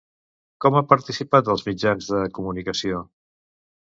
Com ha participat als mitjans de comunicació?